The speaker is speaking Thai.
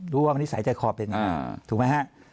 ว่านิสัยใจคอเป็นยังไงถูกไหมฮะ